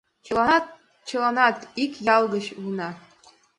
Чыланат-чыланат ик ял гычын улына